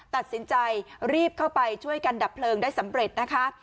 ตัดสินใจรีบเข้าไปช่วยกันดับเพลิงได้สำเร็จนะคะ